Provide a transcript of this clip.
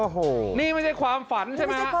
โอ้โหนี่ไม่ใช่ความฝันใช่ไหม